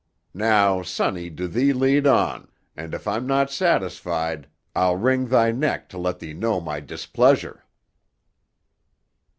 Now, sonny, do thee lead on, and if I'm not satisfied I'll wring thy neck to let thee know my displeasure."